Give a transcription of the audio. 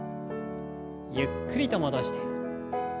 ゆっくりと戻して。